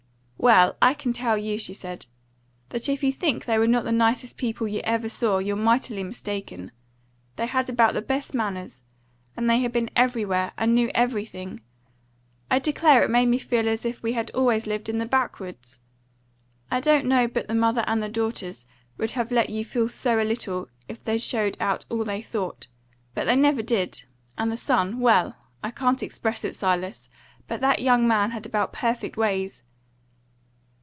"Well, I can tell you," she said, "that if you think they were not the nicest people you ever saw, you're mightily mistaken. They had about the best manners; and they had been everywhere, and knew everything. I declare it made me feel as if we had always lived in the backwoods. I don't know but the mother and the daughters would have let you feel so a little, if they'd showed out all they thought; but they never did; and the son well, I can't express it, Silas! But that young man had about perfect ways."